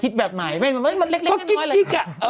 จะคิดแบบไหนเฮ้ยมันเล็กเล็กเล็กเล็กเล็กเล็กเล็กเล็กเล็กเล็ก